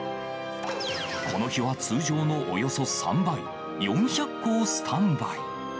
この日は通常のおよそ３倍、４００個をスタンバイ。